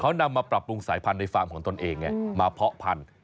เขานำมาปรับปรุงสายพันธุ์ในฟาร์มของตนเองมาเพาะพันธุ